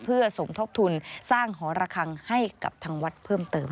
เพื่อสมทบทุนสร้างหอระคังให้กับทางวัดเพิ่มเติม